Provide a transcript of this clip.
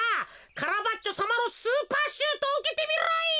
カラバッチョさまのスーパーシュートをうけてみろ！